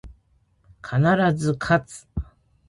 必ず、かつ